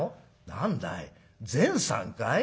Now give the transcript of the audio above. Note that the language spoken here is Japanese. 『何だい善さんかい？